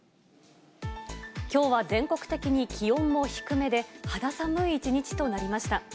きょうは全国的に気温も低めで、肌寒い一日となりました。